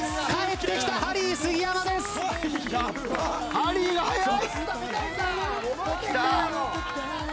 ハリーが速い。